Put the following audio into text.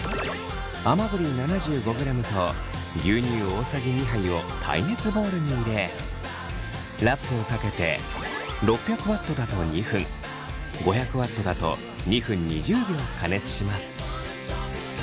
甘栗７５ｇと牛乳大さじ２杯を耐熱ボウルに入れラップをかけて６００Ｗだと２分５００Ｗだと２分２０秒加熱します。